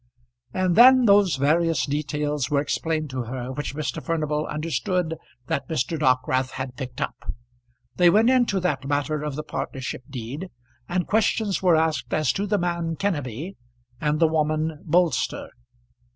And then those various details were explained to her which Mr. Furnival understood that Mr. Dockwrath had picked up. They went into that matter of the partnership deed, and questions were asked as to the man Kenneby and the woman Bolster.